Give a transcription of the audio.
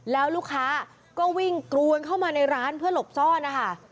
แล้วลูกค้าก็วิ่งกรวนเข้ามาในร้านเพื่อหลบซ่อนนะคะ